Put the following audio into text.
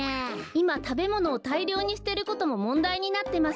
いまたべものをたいりょうにすてることももんだいになってます。